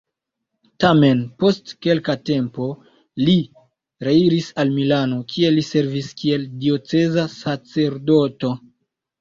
Tamen, post kelka tempo li reiris al Milano, kie li servis kiel dioceza sacerdoto.